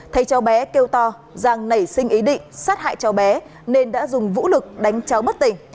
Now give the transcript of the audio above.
thấy cháu bé kêu to giang nảy sinh ý định sát hại cháu bé nên đã dùng vũ lực đánh cháu bất tỉnh